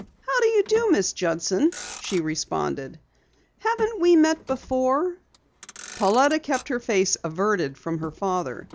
"How do you do, Miss Judson," she responded. "Haven't we met before?" Pauletta kept her face averted from her father.